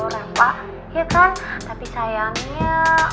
rempah ya kan tapi sayangnya